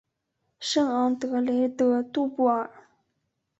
圣昂德雷德杜布尔。